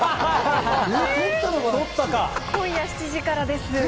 今夜７時からです。